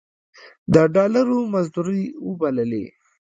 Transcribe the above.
د ډالرو مزدورۍ وبللې.